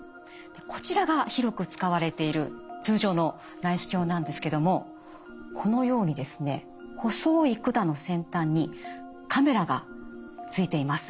こちらが広く使われている通常の内視鏡なんですけどもこのようにですね細い管の先端にカメラがついています。